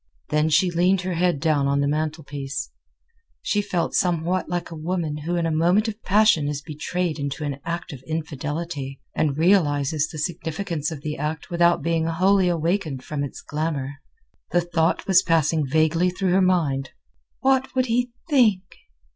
Then she leaned her head down on the mantelpiece. She felt somewhat like a woman who in a moment of passion is betrayed into an act of infidelity, and realizes the significance of the act without being wholly awakened from its glamour. The thought was passing vaguely through her mind, "What would he think?"